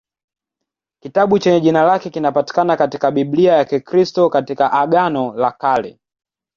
Kitabu chenye jina lake kinapatikana katika Biblia ya Kikristo katika Agano la Kale.